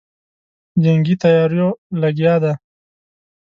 جنګي تیاریو لګیا دی.